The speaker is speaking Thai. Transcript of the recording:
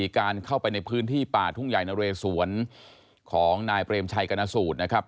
การเข้าไปในพื้นที่ป่าทุ่งใหญ่นะเรสวนของนายเปรมชัยกรณสูตรนะครับ